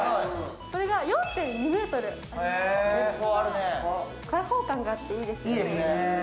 これが４．２ｍ、開放感があっていいですね。